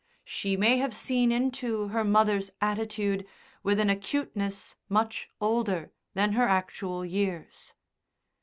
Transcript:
She may have seen into her mother's attitude with an acuteness much older than her actual years.